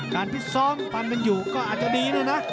การพิสร้องปันเป็นอยู่ก็อาจจะดีนะนะ